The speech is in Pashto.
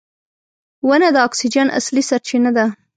• ونه د اکسیجن اصلي سرچینه ده.